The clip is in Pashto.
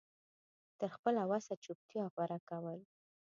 تر خپله وسه چوپتيا غوره کول